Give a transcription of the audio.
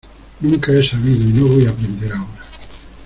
nunca he sabido y no voy a aprender ahora.